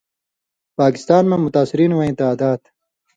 پاکستاں مہ متاثرین وَیں تعداد: